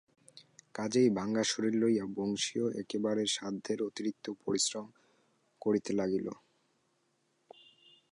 কাজেই ভাঙা শরীর লইয়া বংশী একেবারে সাধ্যের অতিরিক্ত পরিশ্রম করিতে লাগিল।